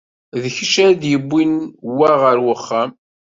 D kečč ay d-yewwin wa ɣer uxxam?